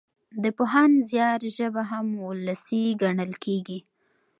د پوهاند زيار ژبه هم وولسي ګڼل کېږي.